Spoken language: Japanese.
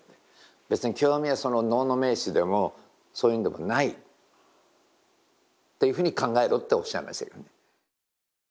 別に狂阿弥はその能の名手でもそういうんでもないっていうふうに考えろっておっしゃいましたけどね。